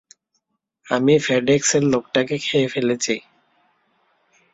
আমি ফেডএক্স এর লোকটাকে খেয়ে ফেলেছি।